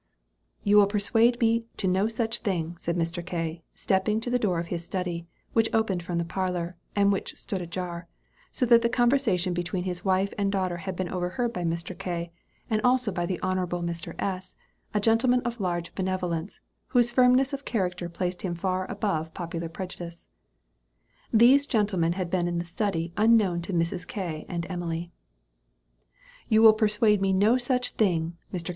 "You will persuade me to no such thing," said Mr. K., stepping to the door of his study, which opened from the parlor, and which stood ajar, so that the conversation between his wife and daughter had been overheard by Mr. K., and also by the Hon. Mr. S., a gentleman of large benevolence, whose firmness of character placed him far above popular prejudice. These gentlemen had been in the study unknown to Mrs. K. and Emily. "You will persuade me to no such thing," Mr. K.